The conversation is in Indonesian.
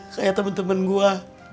kayak temen temen gue